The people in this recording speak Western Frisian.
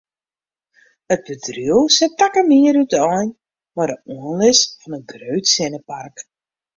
It bedriuw set takom jier útein mei de oanlis fan in grut sinnepark.